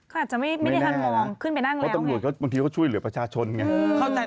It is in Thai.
ก็อาจจะไม่ได้ทำบอกขึ้นไปนั่งแล้วไง